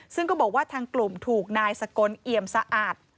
ซึ่งก็บอกว่าทางกลุ่มถูกนายสกลเอี่ยมสะอาด